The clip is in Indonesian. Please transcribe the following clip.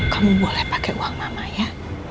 kamu boleh pakai uang mama ya